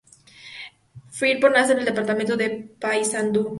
Firpo nace en el departamento de Paysandú.